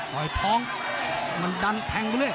ปล่อยท้องมันดันแทงไปเลย